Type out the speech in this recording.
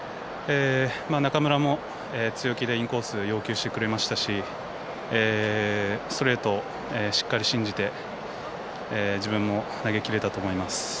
中村も強気でインコースを要求してくれましたしストレート、しっかり信じて自分も投げ切れたと思います。